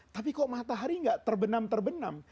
tapi kok matahari nggak terbenam terbenam